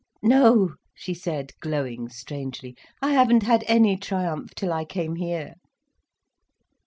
"No," she said, glowing strangely. "I haven't had any triumph till I came here."